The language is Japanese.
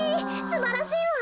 すばらしいわ。